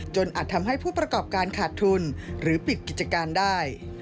อาจทำให้ผู้ประกอบการขาดทุนหรือปิดกิจการได้